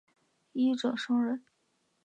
一者生忍。